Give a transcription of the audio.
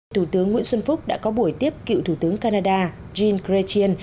thủ tướng nguyễn xuân phúc đã có buổi tiếp cựu thủ tướng canada gene gretchen